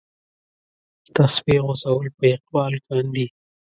تسپې غوڅول په اقبال کاندي.